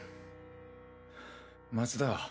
松田。